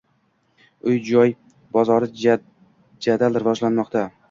Uy -joy bozori jadal rivojlanmoqda